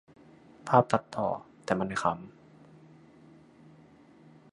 ภาพตัดต่อ แต่มันขำ